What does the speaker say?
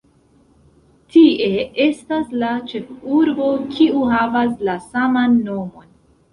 Tie estas la ĉefurbo, kiu havas la saman nomon.